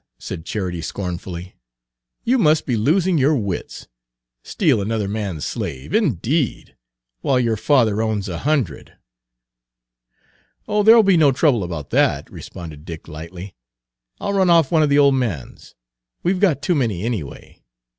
said Charity scornfully. "You must be losing your wits. Steal another man's slave, indeed, while your father owns a hundred!" "Oh, there'll be no trouble about that," responded Dick lightly; "I'll run off one of the old man's; we 've got too many anyway.